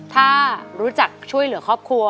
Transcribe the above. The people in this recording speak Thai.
ถ้ารู้จักช่วยเหลือครอบครัว